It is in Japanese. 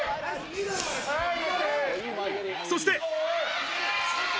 そして。